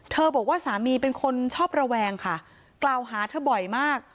บอกว่าสามีเป็นคนชอบระแวงค่ะกล่าวหาเธอบ่อยมาก